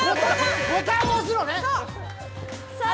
ボタンを押すのね。